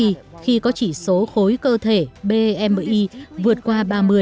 béo phì khi có chỉ số khối cơ thể bmi vượt qua ba mươi